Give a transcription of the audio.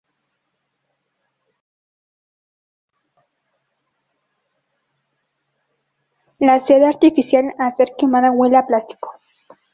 La seda artificial al ser quemada huele a plástico.